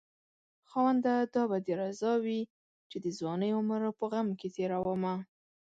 خاونده دا به دې رضا وي چې د ځوانۍ عمر په غم کې تېرومه